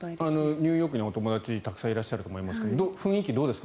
ニューヨークにお友達たくさんいると思いますが雰囲気どうですか？